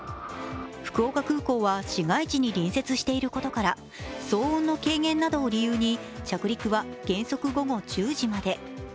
福岡空港は市街地に隣接していることから騒音の軽減などを理由に着陸は原則午後１０時まで。